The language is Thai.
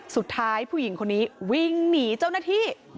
ผู้หญิงคนนี้วิ่งหนีเจ้าหน้าที่